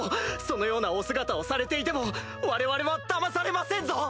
そのようなお姿をされていても我々はだまされませんぞ！